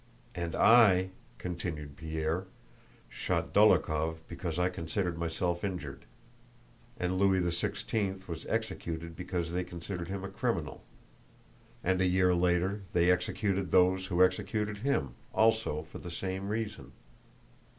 And I," continued Pierre, "shot Dólokhov because I considered myself injured, and Louis XVI was executed because they considered him a criminal, and a year later they executed those who executed him—also for some reason.